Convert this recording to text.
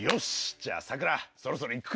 じゃあさくらそろそろ行くか。